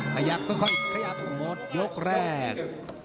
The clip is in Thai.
ขยับขึ้นขยับหมดยุคแรก